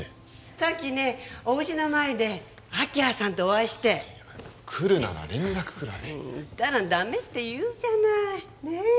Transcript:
さっきねおうちの前で明葉さんとお会いして来るなら連絡くらい言ったらダメって言うじゃないねえ？